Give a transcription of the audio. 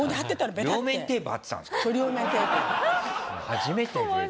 初めて。